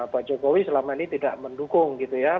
pak jokowi selama ini tidak mendukung gitu ya